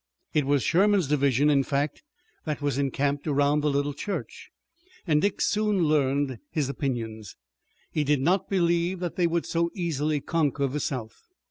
It was Sherman's division, in fact, that was encamped around the little church, and Dick soon learned his opinions. He did not believe that they would so easily conquer the South.